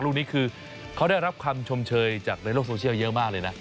ลูกนี้คือเขาได้รับคำชมเชยจากในโลกโซเชียลเยอะมากเลยนะ